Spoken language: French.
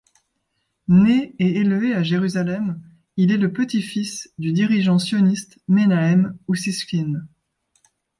Né et élevé à Jérusalem, il est le petit-fils du dirigeant sioniste Menahem Ussishkin.